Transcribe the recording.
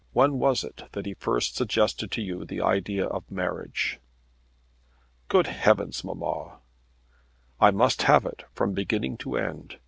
When was it that he first suggested to you the idea of marriage?" "Good heavens, mamma!" "I must have it from the beginning to the end.